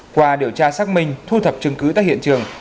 qua điều tra xác minh thu thập chứng cứ tại hiện trường